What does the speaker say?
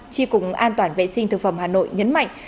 tri cục an toàn vệ sinh thực phẩm hà nội nhấn mạnh